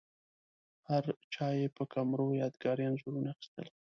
هرچا یې په کمرو یادګاري انځورونه اخیستل.